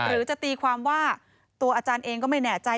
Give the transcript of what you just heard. หรือจะตีความว่าตัวอาจารย์เองก็ไม่แน่ใจ